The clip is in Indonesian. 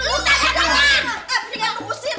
eh tinggal lo kusir